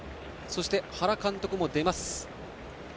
そして原監督も出ました。